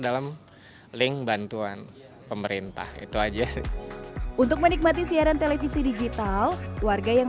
dalam link bantuan pemerintah itu aja untuk menikmati siaran televisi digital warga yang